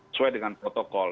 sesuai dengan protokol